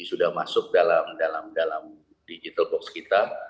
sudah masuk dalam digital box kita